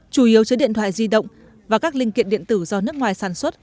chủ yếu chứa điện thoại di động và các linh kiện điện tử do nước ngoài sản xuất